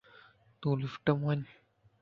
تون لفٽم وڃ